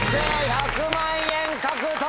１００万円獲得！